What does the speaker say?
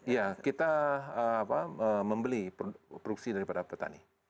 ya kita membeli produksi daripada petani